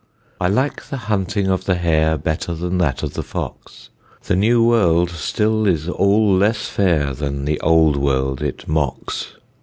I like the hunting of the hare Better than that of the fox; The new world still is all less fair Than the old world it mocks.